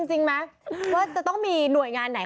จริงไหมว่าจะต้องมีหน่วยงานไหน